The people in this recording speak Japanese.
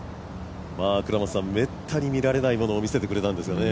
めったに見られないものを見せてくれたんですよね。